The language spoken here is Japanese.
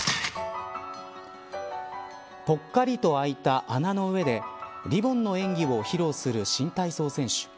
ぽっかりと空いた穴の上でリボンの演技を披露する新体操選手。